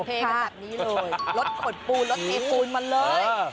เทขนาดนี้เลยรถกดปูรถเทปูนมาเลย